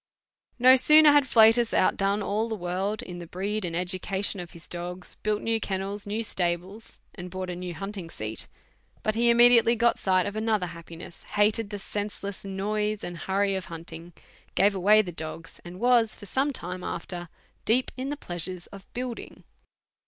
No sooner had Flatus outdone all the world in the breed and education of his dogs, built new kennels, new stables, and bought a new hunting seat, but he immediately got sight of another happiness, hated the senseless noise and hurry of hunting, gave away his dogs, and was for some time after deep in the pleasures of building.